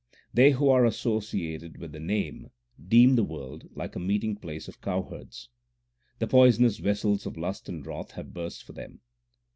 They who are associated with the Name deem the world like a meeting place of cowherds : The poisonous vessels of lust and wrath have burst for them.